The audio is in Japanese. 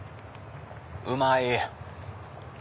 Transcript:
うまい！